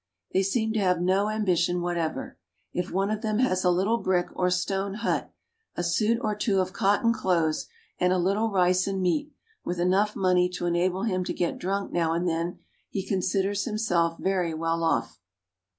They seem to have no ambition whatever. If one of them has a little brick or stone hut, a suit or two of cotton clothes, and a little rice and meat, with enough money to enable him to get drunk now and then, he considers himself very well off.